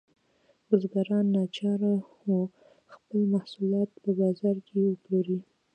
بزګران ناچاره وو خپل محصولات په بازار کې وپلوري.